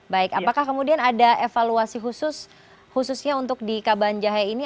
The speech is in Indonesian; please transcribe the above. baik apakah kemudian ada evaluasi khusus khususnya untuk di kabanjahe ini